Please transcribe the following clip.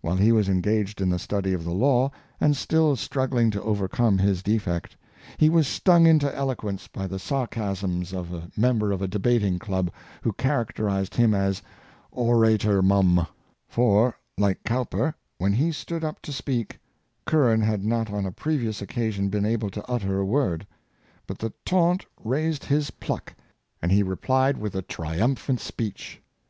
While he was engaged in the study of the law, and still struggling to over come his defect, he was stung into eloquence by the sarcasms of a member of a debating club, who charac terized him as " Orator Mum; " for, like Cowper, when he stood up to speak on a previous occasion, Curran had not been able to utter a word. The taunt stung him and he replied in a triumphant speech.